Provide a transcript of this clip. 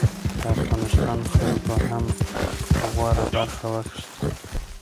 د افغانستان خلکو هم غوره برخه واخیسته.